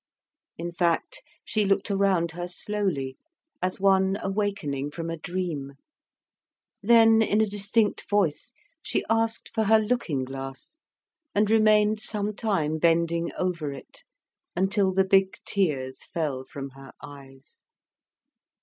In fact, she looked around her slowly, as one awakening from a dream; then in a distinct voice she asked for her looking glass, and remained some time bending over it, until the big tears fell from her eyes.